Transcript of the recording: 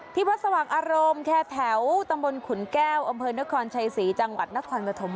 ที่วัดสว่างอารมณ์แค่แถวตำบลขุนแก้วอำเภอนครชัยศรีจังหวัดนครปฐม